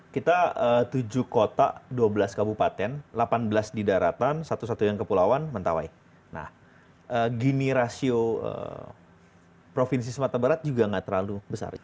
kita tujuh kota dua belas kabupaten delapan belas di daratan satu satunya kepulauan mentawai nah gini rasio provinsi sumatera barat juga nggak terlalu besar